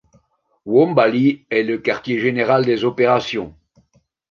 Wombali est le quartier général des opérations.